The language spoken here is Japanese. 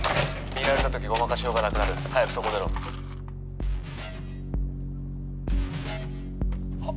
「見られた時ごまかしようがなくなる」「早くそこを出ろ」あっ。